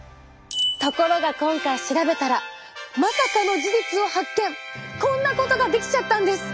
ところが今回調べたらこんなことができちゃったんです！